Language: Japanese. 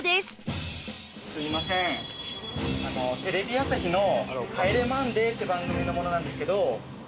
すみませんテレビ朝日の『帰れマンデー』って番組の者なんですけど。